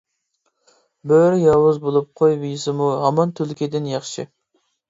بۆرە ياۋۇز بولۇپ قوي يېسىمۇ ھامان تۈلكىدىن ياخشى.